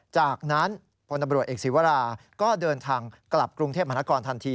จากนั้นพลตำรวจเอกศีวราก็เดินทางกลับกรุงเทพมหานครทันที